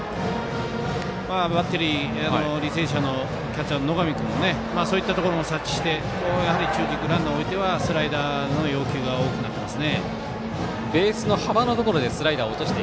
バッテリー履正社のキャッチャー、野上君もそういったところも察知して中軸、ランナー置いてはスライダーの要求が多くなっています。